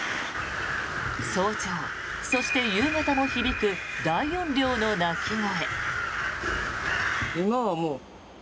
早朝、そして夕方も響く大音量の鳴き声。